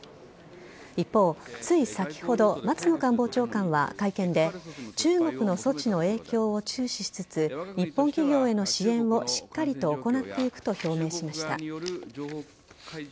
一方、つい先ほど松野官房長官は会見で中国の措置の影響を注視しつつ日本企業への支援をしっかりと行っていくと表明しました。